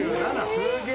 すげえ！